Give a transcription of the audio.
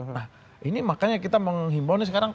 nah ini makanya kita menghimbau nih sekarang